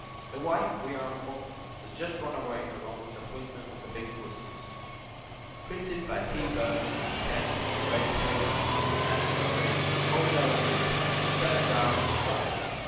The wife, we are informed, has just ran away along with the Policeman with the big whiskers. Printed by T. Birt, 10, Great St. Andrew Street, Wholesale and Retail, Seven Dials, London.